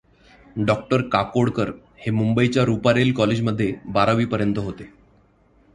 डॉ. काकोडकर हे मुंबईच्या रूपारेल कॉलेज मध्ये बारावीपर्यंत होते.